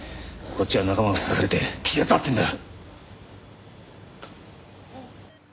こっちは仲間を刺されて気が立ってるんだ！